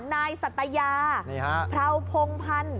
นายสัตยาพราวพงพันธ์